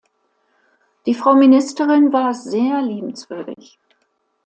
Die Frau Ministerin war sehr liebenswürdig.